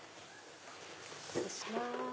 失礼します。